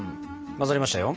混ざりましたよ。